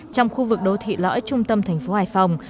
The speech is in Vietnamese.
trong khu vực đô thị lõi trung tâm thành phố hải phòng